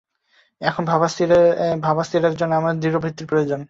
এখন ভাববিস্তারের জন্য আমাদের দৃঢ় ভিত্তির প্রয়োজন।